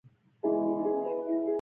بیا خو به نه ځې، تل به راسره پاتې کېږې؟